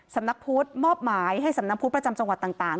สำนักพุทธมอบหมายให้สำนักพุทธประจำจังหวัดต่าง